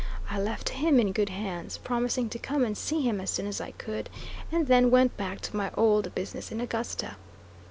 I left him in good hands, promising to come and see him as soon as I could, and then went back to my old business in Augusta.